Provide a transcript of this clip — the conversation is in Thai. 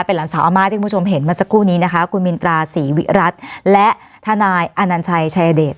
หลานสาวอาม่าที่คุณผู้ชมเห็นเมื่อสักครู่นี้นะคะคุณมินตราศรีวิรัติและทนายอนัญชัยชายเดช